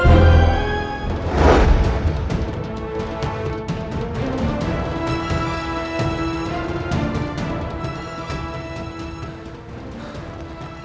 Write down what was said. raden kian santang